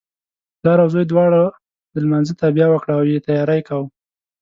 پلار او زوی دواړو د لمانځه تابیا وکړه او یې تیاری کاوه.